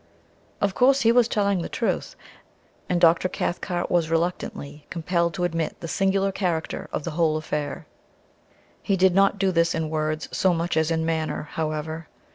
Of course he was telling the truth, and Dr. Cathcart was reluctantly compelled to admit the singular character of the whole affair. He did not do this in words so much as in manner, however.